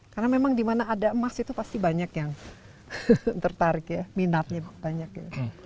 karena memang dimana ada emas itu pasti banyak yang tertarik ya minatnya banyak ya